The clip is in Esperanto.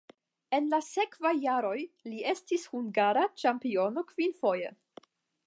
En la sekvaj jaroj li estis hungara ĉampiono kvinfoje.